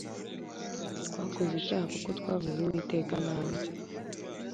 Twakoze icyaha kuko twavuze Uwiteka nawe nabi